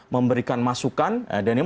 memberikan masukan dan ini